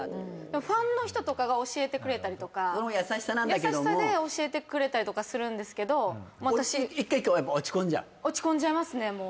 ファンの人とかが教えてくれたりとか、優しさで教えてくれたりとかするんですけど落ち込んじゃいますね。